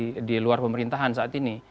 iya dia berada di luar pemerintahan saat ini